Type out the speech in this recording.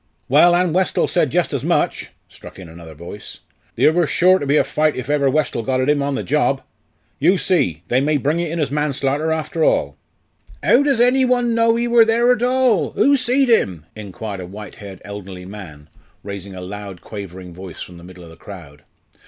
"Well, an' Westall said jus' as much!" struck in another voice; "theer wor sure to be a fight iv ever Westall got at 'im on the job. You see they may bring it in manslarter after all." "'Ow does any one know ee wor there at all? who seed him?" inquired a white haired elderly man, raising a loud quavering voice from the middle of the crowd.